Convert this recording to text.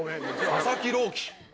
佐々木朗希。